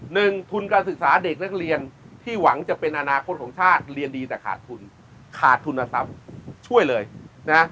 หนึ่งทุนการศึกษาเด็กนักเรียนที่หวังจะเป็นอนาคตของชาติเรียนดีแต่ขาดทุนขาดทุนทรัพย์ช่วยเลยนะ